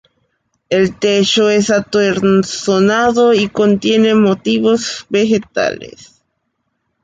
El techo es artesonado y contiene motivos vegetales.